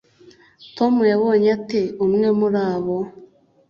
tom yabonye ate umwe muri abo